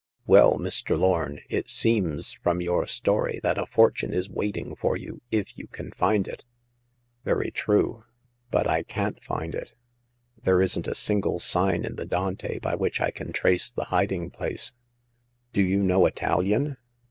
Well, Mr. Lorn, it seems from your story that a fortune is waiting for you, if you can find it." " Very true ; but I can't find it. There isn't a single sign in the Dante by which I can trace the hiding place." The First Customer. 47 Do you know Italian